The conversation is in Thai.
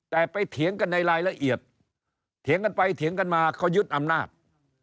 แต่ไปเถียงกันในรายละเอียดเถียงกันไปเถียงกันมาเขายึดอำนาจ